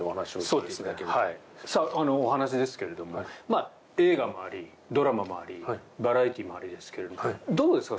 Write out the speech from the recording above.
お話ですが映画もあり、ドラマもありバラエティーもありですけれどもどうですか。